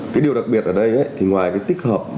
cái điều đặc biệt ở đây thì ngoài cái tích hợp